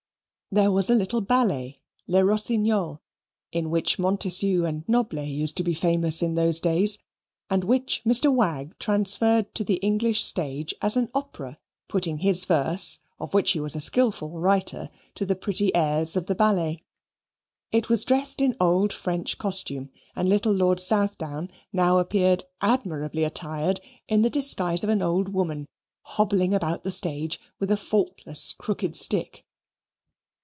There was a little ballet, "Le Rossignol," in which Montessu and Noblet used to be famous in those days, and which Mr. Wagg transferred to the English stage as an opera, putting his verse, of which he was a skilful writer, to the pretty airs of the ballet. It was dressed in old French costume, and little Lord Southdown now appeared admirably attired in the disguise of an old woman hobbling about the stage with a faultless crooked stick.